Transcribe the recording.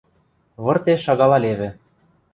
Выртеш шагалалевӹ.